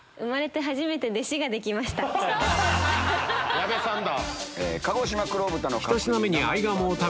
矢部さんだ。